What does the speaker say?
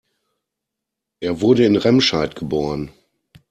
Er wurde in Remscheid geboren